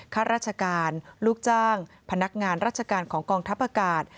ข้าราชการลูกจ้างพนักงานราชการของกองทัพอากาศ